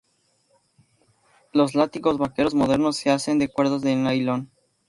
Los látigos vaqueros modernos se hacen de cuerdas de nailon.